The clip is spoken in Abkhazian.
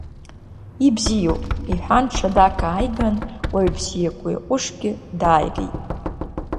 Ибзиоуп, — иҳәан ҽадак ааиган, уаҩ бзиак, уаҩ ҟәышкгьы дааигеит.